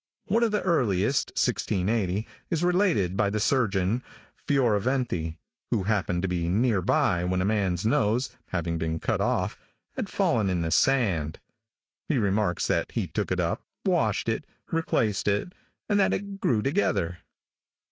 One of the earliest, 1680, is related by the surgeon (Fioraventi) who happened to be near by when a man's nose, having been cut off, had fallen in the sand. He remarks that he took it up, washed it, replaced it, and that it grew together.